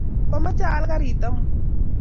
Kwamache aal karit amut